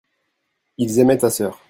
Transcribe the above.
ils aimaient ta sœur.